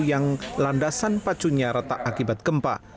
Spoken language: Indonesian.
yang landasan pacunya retak akibat gempa